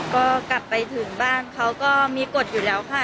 ก็กลับไปถึงบ้านเขาก็มีกฎอยู่แล้วค่ะ